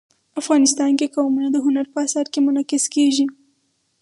افغانستان کې قومونه د هنر په اثار کې منعکس کېږي.